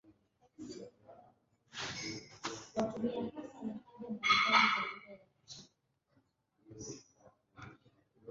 Hali halisi si rahisi kupata mahali duniani pasipo kitu chochote kabisa.